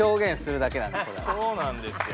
そうなんですよ。